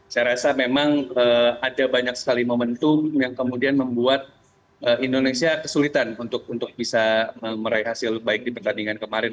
saya rasa memang ada banyak sekali momentum yang kemudian membuat indonesia kesulitan untuk bisa meraih hasil baik di pertandingan kemarin